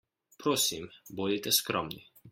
Prosim, bodite skromni.